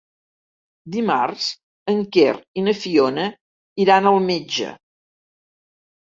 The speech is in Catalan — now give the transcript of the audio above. Dimarts en Quer i na Fiona iran al metge.